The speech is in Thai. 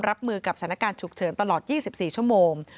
รับมือกับสถานการณ์ฉุกเฉินตลอด๒๔ชั่วโมง